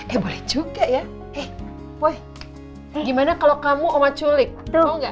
eh boleh juga ya eh woy gimana kalau kamu sama culik tau nggak